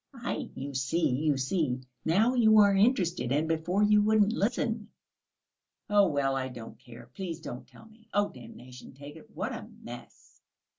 "Ah, you see, you see! Now you are interested, and before you wouldn't listen!" "Oh, well, I don't care! Please don't tell me. Oh, damnation take it, what a mess!"